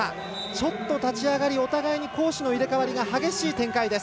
ちょっと立ち上がりお互いに攻守の入れ替わりが激しい展開です。